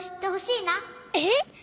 えっ？